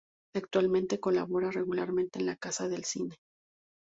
Actualmente colabora regularmente en La Casa del Cine.